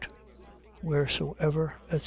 Wheresoever, etc.